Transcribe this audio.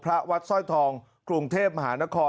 วัดสร้อยทองกรุงเทพมหานคร